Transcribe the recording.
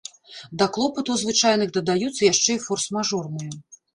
Да клопатаў звычайных дадаюцца яшчэ і форс-мажорныя.